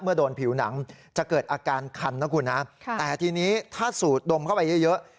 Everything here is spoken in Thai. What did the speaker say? เมื่อโดนผิวหนังจะเกิดอาการคันแต่ที่นี้ถ้าสูดดมเข้าไปเยอะ